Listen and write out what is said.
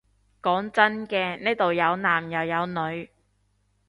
講真嘅，呢度有男又有女